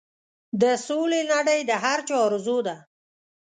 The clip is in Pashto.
د سولې نړۍ د هر چا ارزو ده.